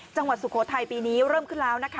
สุโขทัยปีนี้เริ่มขึ้นแล้วนะคะ